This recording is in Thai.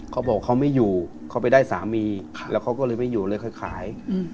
เขาบอกเขาไม่อยู่เขาไปได้สามีแล้วเขาก็เลยไม่อยู่เลยค่อยขาย